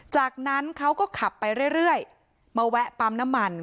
จากนั้นเขาก็ขับไปเรื่อยมาแวะปั๊มน้ำมัน